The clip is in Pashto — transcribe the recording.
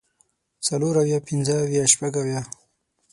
څلور اويه پنځۀ اويه شپږ اويه